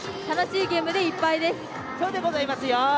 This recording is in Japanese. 楽しいゲームでいっぱいです。